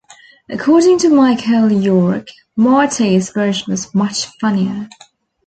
According to Michael York, Marty's version was much funnier.